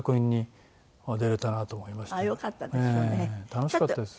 楽しかったです。